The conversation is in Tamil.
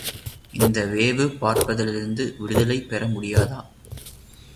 இந்த வேவு பார்ப்பதிலிருந்து விடுதலை பெற முடியாதா?